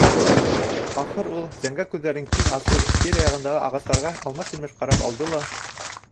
Ахыр ул, зәңгәр күҙҙәрен киң асып, тирә-яғындағы ағастарға алмаш-тилмәш ҡарап алды ла: